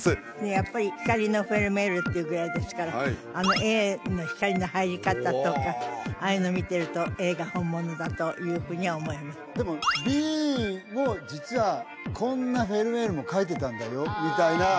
やっぱり光のフェルメールっていうぐらいですからあのＡの光の入り方とかああいうの見てるとＡが本物だというふうには思いますでもＢも実はこんなフェルメールも描いてたんだよみたいな